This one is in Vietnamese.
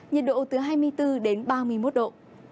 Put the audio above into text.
nhiệt độ từ hai mươi bốn đến ba mươi một độ